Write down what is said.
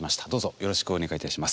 よろしくお願いします。